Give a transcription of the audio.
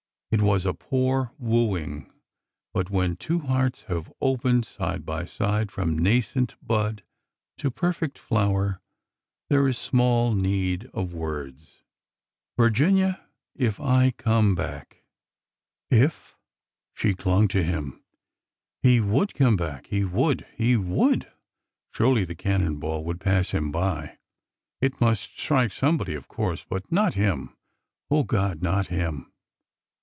It was a poor wooing, but when two hearts have opened side by side from nascent bud to perfect flower, there is small need of words. " Virginia, if I come back —" If? She clung to him. He would come back ! He would ! He would! Surely the cannon ball would pass him by! It must strike somebody, of course,— but not him! O God, not him!